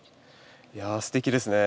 いやすてきですね。